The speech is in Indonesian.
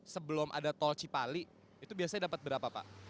sebelum ada tol cipali itu biasanya dapat berapa pak